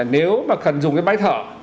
nếu mà cần dùng cái máy thở